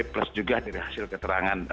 plus juga hasil keterangan